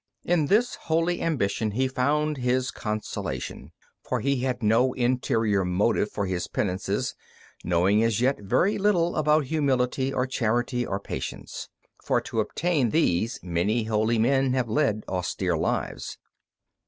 In this holy ambition he found his consolation, for he had no interior motive for his penances, knowing as yet very little about humility or charity or patience, for to obtain these many holy men have led austere lives.